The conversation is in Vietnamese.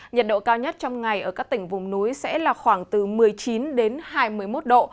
nhiệt độ cao nhất trong ngày ở các tỉnh vùng núi sẽ là khoảng từ một mươi chín đến hai mươi một độ